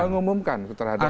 mengumumkan terhadap th